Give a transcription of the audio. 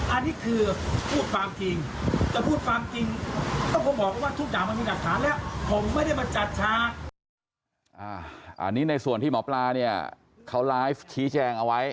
อันนี้ในส่วนที่หมอปลาเนี่ยเขาไลฟ์ชี้แจงเอาไว้